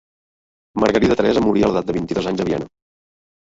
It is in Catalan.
Margarida Teresa morí a l'edat de vint-i-dos anys a Viena.